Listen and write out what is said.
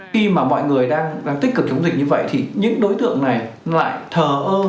khi mà mọi người đang tích cực chống dịch như vậy thì những đối tượng này lại thờ ơ